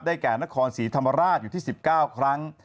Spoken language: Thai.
แก่นครศรีธรรมราชอยู่ที่๑๙ครั้ง